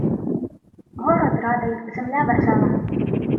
Город радий, земля весела